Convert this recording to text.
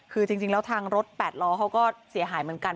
คือจริงแล้วทางรถ๘ล้อเขาก็เสียหายเหมือนกัน